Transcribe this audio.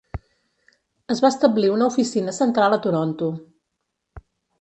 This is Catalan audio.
Es va establir una oficina central a Toronto.